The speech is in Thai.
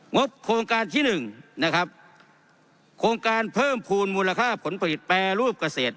บโครงการที่หนึ่งนะครับโครงการเพิ่มภูมิมูลค่าผลผลิตแปรรูปเกษตร